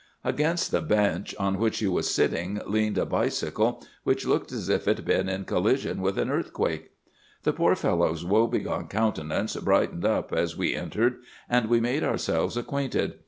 "Against the bench on which he was sitting leaned a bicycle which looked as if it had been in collision with an earthquake. "The poor fellow's woe begone countenance brightened up as we entered, and we made ourselves acquainted.